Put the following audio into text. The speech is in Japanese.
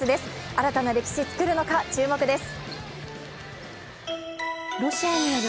新たな歴史を作るのか注目です。